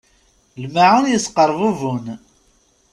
Lmaεun yesqerbuben.